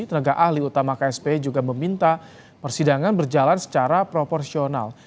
tenaga ahli utama kspi juga meminta persidangan berjalan secara proporsional